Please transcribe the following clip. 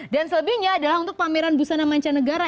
dan selebihnya adalah untuk pameran busana mancanegara